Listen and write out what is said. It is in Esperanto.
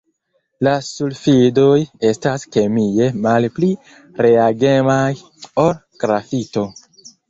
La sulfidoj estas kemie malpli reagemaj ol grafito.